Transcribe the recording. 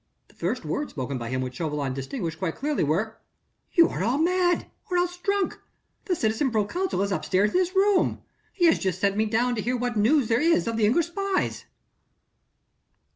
The first words spoken by him which Chauvelin distinguished quite clearly were: "You are all mad ... or else drunk.... The citizen proconsul is upstairs in his room.... He has just sent me down to hear what news there is of the English spies...."